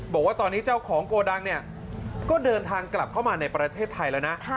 บอกว่าตอนนี้เจ้าของโกดังเนี่ยก็เดินทางกลับเข้ามาในประเทศไทยแล้วนะ